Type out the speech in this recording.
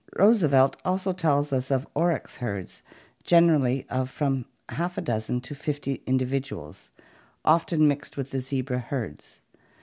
Roosevelt also tells us of oryx herds, generally of from half a dozen to fifty individuals, often mixed with the zebra herds.